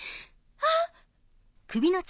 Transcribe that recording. あっ！